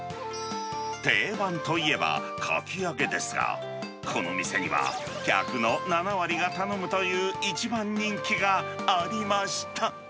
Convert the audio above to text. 定番といえば、かき揚げですが、この店には客の７割が頼むという、一番人気がありました。